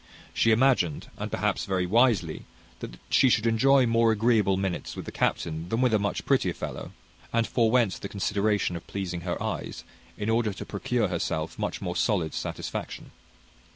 She imagined, and perhaps very wisely, that she should enjoy more agreeable minutes with the captain than with a much prettier fellow; and forewent the consideration of pleasing her eyes, in order to procure herself much more solid satisfaction.